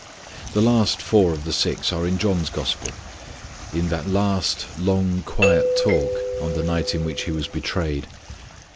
The last four of the six are in John's gospel. In that last long quiet talk on the night in which He was betrayed.